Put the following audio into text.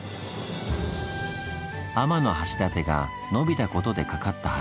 天橋立が伸びたことで架かった橋。